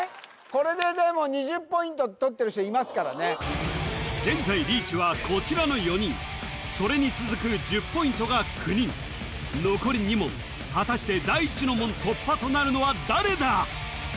これででも２０ポイントとってる人いますからね現在リーチはこちらの４人それに続く１０ポイントが９人残り２問果たして第一の門突破となるのは誰だ？